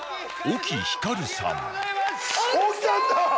沖さんだ！